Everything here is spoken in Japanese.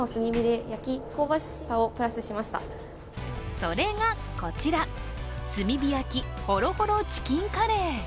それがこちら炭火焼きほろほろチキンカレー。